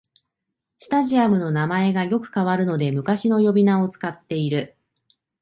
スタジアムの名前がよく変わるので昔の呼び名を使ってる